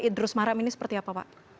idrus marham ini seperti apa pak